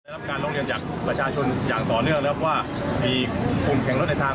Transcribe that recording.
รับการร้องเรียนจากประชาชนอย่างต่อเนื่องนะครับว่ามีกลุ่มแข่งรถในทาง